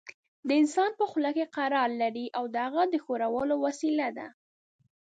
د انسان په خوله کې قرار لري او د هغه د ښورولو وسیله ده.